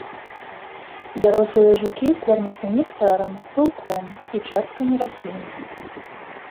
Дарослыя жукі кормяцца нектарам, пылком, і часткамі раслін.